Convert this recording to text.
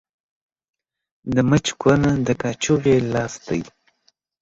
د مچ کونه ، د کاچوغي لاستى.